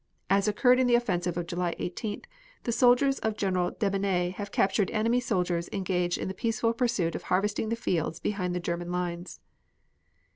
As occurred in the offensive of July 18th the soldiers of General Debeney have captured enemy soldiers engaged in the peaceful pursuit of harvesting the fields behind the German lines."